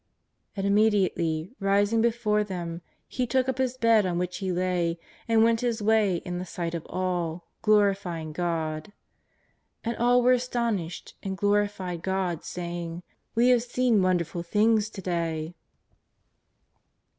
And immediately, rising before them, he took up his bed on which he lay and went his way in tlie sight of all, glorifying God. And all were astonished and glorified God saying: " We have seen wonderful things to day."